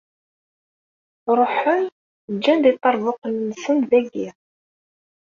Ruḥen, ǧǧan-d iṭerbuqen-nsen dagi.